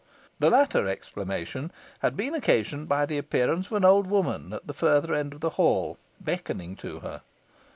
The latter exclamation had been occasioned by the appearance of an old woman at the further end of the hall, beckoning to her.